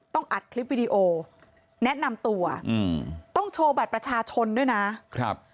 ต้องอัดคลิปวิดีโอแนะนำตัวต้องโชว์บัตรประชาชนด้วยนะ